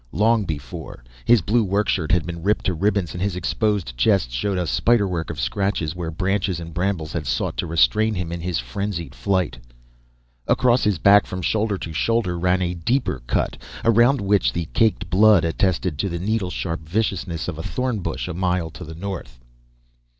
Long before, his blue workshirt had been ripped to ribbons and his exposed chest showed a spiderwork of scratches, where branches and brambles had sought to restrain him in his frenzied flight. Across his back from shoulder to shoulder ran a deeper cut around which the caked blood attested to the needle sharp viciousness of a thorn bush a mile to the north.